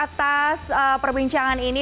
atas perbincangan ini